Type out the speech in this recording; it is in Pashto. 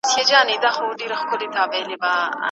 مشر ورور به ناخبره وو، کشر ورور به مسلمان سو.